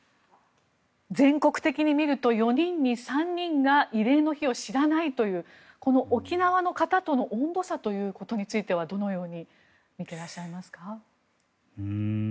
全国的に見ると４人に３人が慰霊の日を知らないという沖縄の方との温度差ということについてはどのように見ていらっしゃいますか？